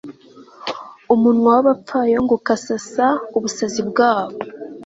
umunwa w'abapfayongo ukasasa ubusazi bwabo